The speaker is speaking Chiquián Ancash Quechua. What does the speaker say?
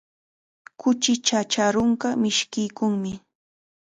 Kuchi chacharunqa mishkiykunmi.